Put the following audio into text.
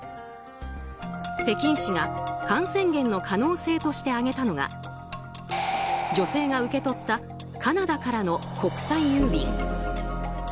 北京市が感染源の可能性として挙げたのが女性が受け取ったカナダからの国際郵便。